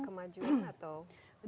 ada kemajuan atau